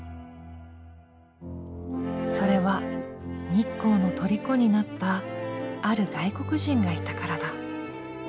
それは日光の虜になったある外国人がいたからだ。